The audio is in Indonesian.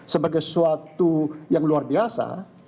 sebagai suatu yang luar biasa